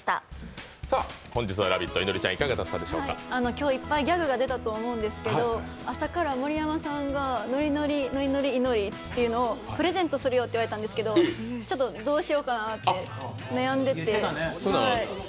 今日、いっぱいギャグが出たと思うんですけど、朝から盛山さんがノリノリノリノリイノリをプレゼントするよって言われたんですけど、ちょっと、どうしようかなと思ってて。